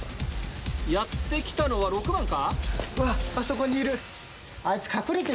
やって来たのは６番か。